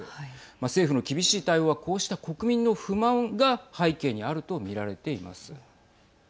政府の厳しい対応はこうした国民の不満が背景にあると見られています。